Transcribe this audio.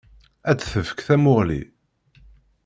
Ad tefk tamuɣli.